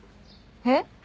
えっ？